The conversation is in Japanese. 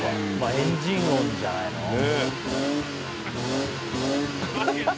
エンジン音じゃないの？ね。